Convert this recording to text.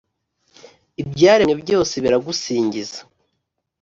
Ibyaremwe byose biragusingiza: